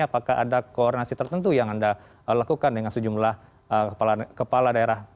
apakah ada koordinasi tertentu yang anda lakukan dengan sejumlah kepala daerah